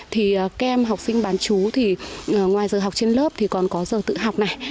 thì các em học sinh bán chú thì ngoài giờ học trên lớp thì còn có giờ tự học này